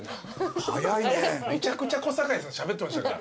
めちゃくちゃ小堺さんしゃべってましたから。